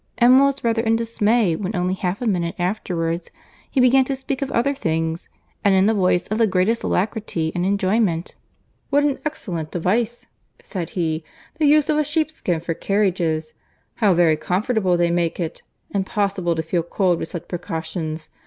Emma was rather in dismay when only half a minute afterwards he began to speak of other things, and in a voice of the greatest alacrity and enjoyment. "What an excellent device," said he, "the use of a sheepskin for carriages. How very comfortable they make it;—impossible to feel cold with such precautions.